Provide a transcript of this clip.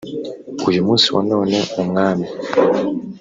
uyu munsi wa none umwami